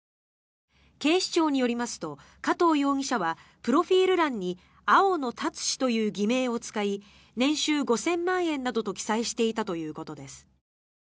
警視庁によりますと加藤容疑者はプロフィル欄に青野龍志という偽名を使い年収５０００万円などと記載していたということです。